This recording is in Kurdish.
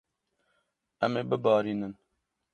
Em ê bibarînin.